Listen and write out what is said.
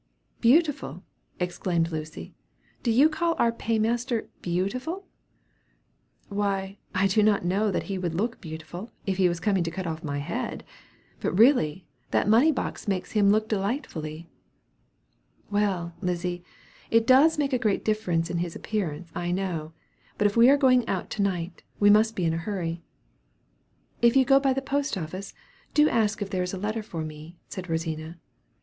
"Beautiful!" exclaimed Lucy; "do you call our pay master beautiful?" "Why, I do not know that he would look beautiful, if he was coming to cut my head off; but really, that money box makes him look delightfully." "Well, Lizzy, it does make a great difference in his appearance, I know; but if we are going out to night, we must be in a hurry." "If you go by the post office, do ask if there is a letter for me," said Rosina.